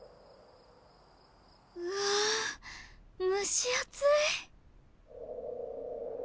うわ蒸し暑い。